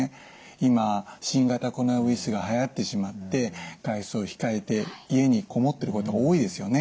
今新型コロナウイルスがはやってしまって外出を控えて家にこもってることが多いですよね。